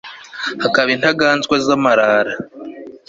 hakaba intaganzwa za marara